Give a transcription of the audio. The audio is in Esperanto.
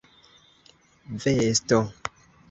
vesto